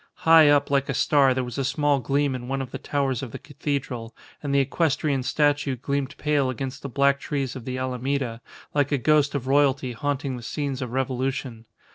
High up, like a star, there was a small gleam in one of the towers of the cathedral; and the equestrian statue gleamed pale against the black trees of the Alameda, like a ghost of royalty haunting the scenes of revolution.